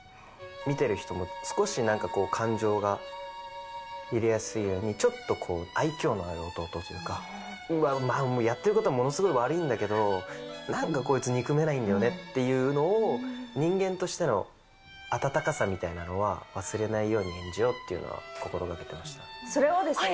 見てる人も少しなんか、感情が入れやすいように、ちょっと愛きょうのある弟というか、やってることはものすごい悪いんだけど、なんかこいつ、憎めないんだよねっていうのを、人間としての温かさみたいなのは忘れないように演じようというのそれをですね！